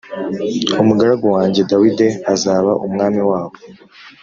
Umugaragu wanjye Dawidi azaba umwami wabo.